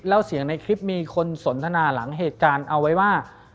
แล้วเสียงในคลิปมีคนสนทนาหลังเหตุการณ์เอาไว้ว่า